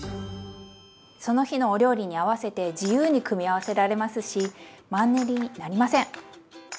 その日のお料理に合わせて自由に組み合わせられますしマンネリになりません！